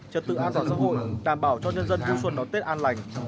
trật tự an toàn xã hội đảm bảo cho nhân dân vui xuân đón tết an lành